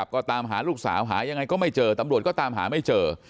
ก็ตามหาลูกสาวหายังไงก็ไม่เจอตำรวจก็ตามหาไม่เจอ